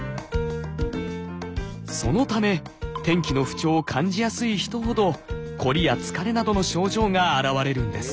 そのため天気の不調を感じやすい人ほどコリや疲れなどの症状が現れるんです。